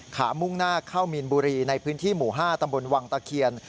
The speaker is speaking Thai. มุ่งหน้าเข้ามีนบุรีในพื้นที่หมู่๕ตำบลวังตะเคียน